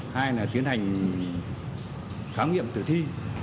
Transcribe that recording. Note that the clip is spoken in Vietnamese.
hai là tiến hành khám nghiệm tử thi